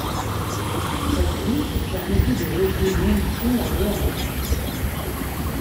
Cette route permettait de relier Montluçon à Roanne.